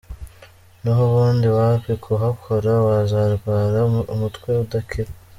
nahubundi wapi kuhakora wazarwara umutwe udakira.